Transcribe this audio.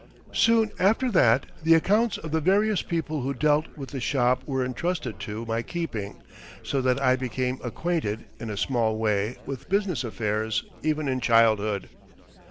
Soon after that the accounts of the various people who dealt with the shop were entrusted to my keeping so that I became acquainted, in a small way, with business affairs even in childhood.